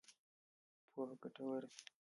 پوهه ګټوره ده.